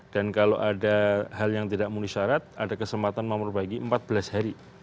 dan kalau ada hal yang tidak muni syarat ada kesempatan memperbaiki empat belas hari